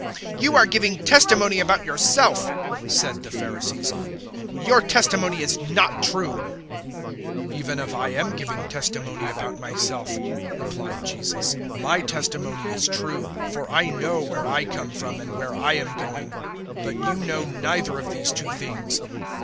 008:013 "You are giving testimony about yourself," said the Pharisees; "your testimony is not true." 008:014 "Even if I am giving testimony about myself," replied Jesus, "my testimony is true; for I know where I came from and where I am going, but you know neither of these two things.